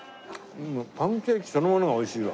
パンケーキそのものが美味しいわ。